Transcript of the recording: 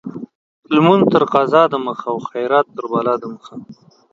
لمونځ تر قضا د مخه ، خيرات تر بلا د مخه.